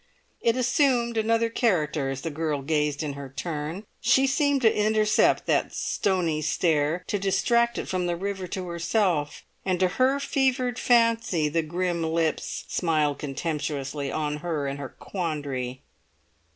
It assumed another character as the girl gazed in her turn, she seemed to intercept that stony stare, to distract it from the river to herself, and to her fevered fancy the grim lips smiled contemptuously on her and her quandary.